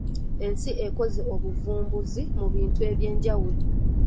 Ensi ekoze obuvumbuzi mu bintu eby’enjawulo.